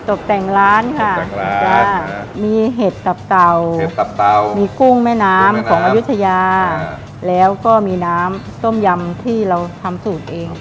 ตกแต่งร้านค่ะมีเห็ดกับเตาเห็ดกับเตามีกุ้งแม่น้ำของอายุทยาแล้วก็มีน้ำต้มยำที่เราทำสูตรเอง